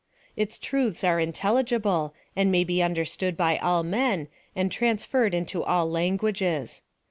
Its truths are intelligible, and may be understood by all men, and transferred into all lan guages.